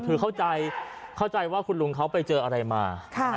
คือเข้าใจเข้าใจว่าคุณลุงเขาไปเจออะไรมา